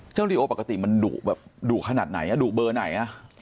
เจ้าริโอปกติมันดุขนาดไหนดุเบอร์ไหน